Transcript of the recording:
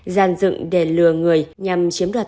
gian dựng để lừa người nhằm chiếm đoạt